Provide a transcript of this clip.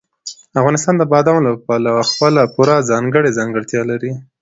افغانستان د بادامو له پلوه خپله پوره ځانګړې ځانګړتیا لري.